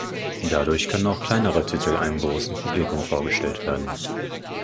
Dadurch können auch kleinere Titel einem großen Publikum vorgestellt werden.